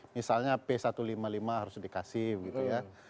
misalnya p satu ratus lima puluh lima harus dikasih gitu ya